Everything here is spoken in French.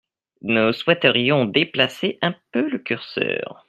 Nous souhaiterions déplacer un peu le curseur.